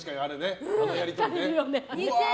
あのやり取りね。